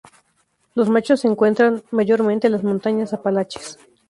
Los machos se encuentran mayormente en las Montañas Apalaches.